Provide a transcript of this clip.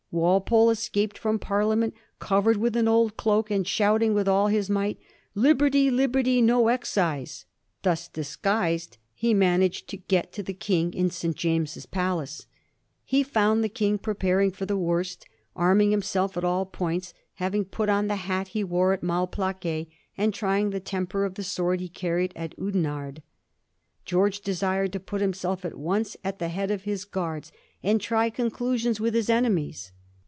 Walpole escaped from Parliament covered with an old cloak, and shouting with all his might, ' Liberty, liberty ! no excise !' Thus disguised, he managed to get to the King in St. James's Palace. He found the King preparing for the worst, arming himself at all points, having put on the hat he wore at Malplaquet, and trjring the temper of the sword he carried at Ouden arde. Greorge desired to put himself at once at the head of his guards, and try conclusions with his enemies.